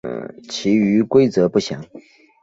其余规则不详。